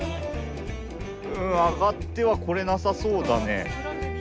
「上がってはこれなさそうだね。